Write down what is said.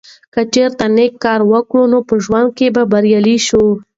که چیرې نیک کارونه وکړو نو په ژوند کې به بریالي شو.